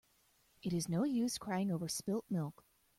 It is no use crying over spilt milk.